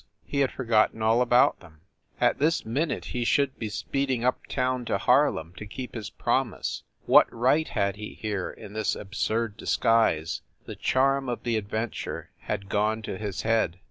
He had forgotten all about them. At this minute he should be speeding up town to Harlem, to keep his promise. What right had he here, in this absurd disguise! The charm of the adventure had gone to his head.